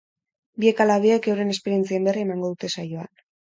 Biek ala biek euren esperientzien berri emango dute saioan.